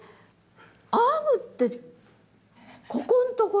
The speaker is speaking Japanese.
編むってここんところ？